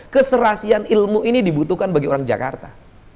keserasian ilmu ini dibutuhkan bagi orang jakarta